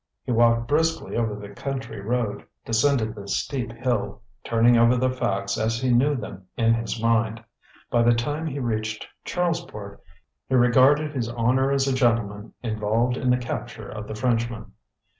He walked briskly over the country road, descended the steep hill, turning over the facts, as he knew them, in his mind. By the time he reached Charlesport, he regarded his honor as a gentleman involved in the capture of the Frenchman.